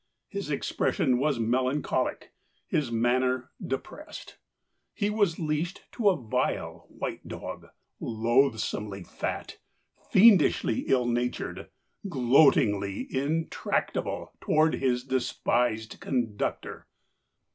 His expression was melancholic, his manner depressed. He was leashed to a vile white dog, loathsomely fat, fiendishly ill natured, gloatingly intractable toward his despised conductor.